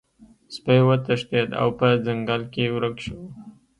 سپی وتښتید او په ځنګل کې ورک شو.